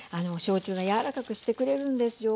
焼酎が柔らかくしてくれるんですよ。